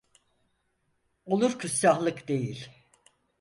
Olur küstahlık değil…